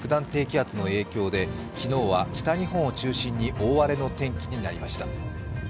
低気圧の影響で昨日は北日本を中心に大荒れの天気になりました。